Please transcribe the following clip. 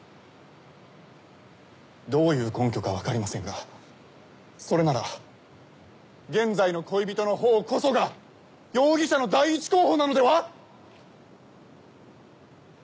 どういう根拠か分かりませんがそれなら現在の恋人のほうこそが容疑者の第一候補なのでは？